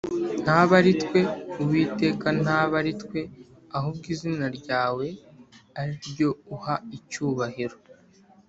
ntabe ari twe, uwiteka ntabe ari twe, ahubwo izina ryawe ari ryo uha icyubahiro,